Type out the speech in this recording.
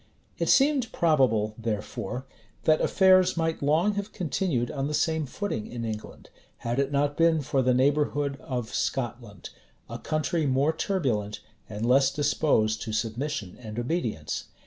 [*] It seemed probable, therefore, that affairs might long have continued on the same footing in England, had it not been for the neighborhood of Scotland; a country more turbulent, and less disposed to submission and obedience.